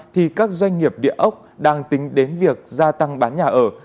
thì các doanh nghiệp địa ốc đang tính đến việc gia tăng bán nhà ở